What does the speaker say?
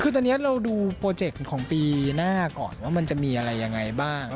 คือตอนนี้เราดูโปรเจกต์ของปีหน้าก่อนว่ามันจะมีอะไรยังไงบ้าง